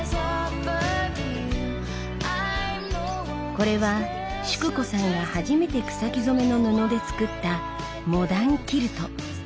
これは淑子さんが初めて草木染めの布で作った「モダンキルト」。